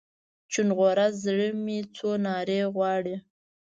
چونغره زړه مې څو نارې غواړي